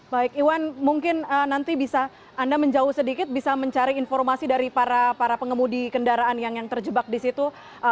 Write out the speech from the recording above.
baik iwan mungkin nanti bisa anda menjauh sedikit bisa mencari informasi dari para pengemudi kendaraan yang terjebak di situ